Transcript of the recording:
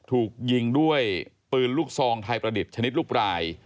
ถูกยิงด้วยปืนลูกซองไทยประดิษฐ์ชนิดลูกปลาย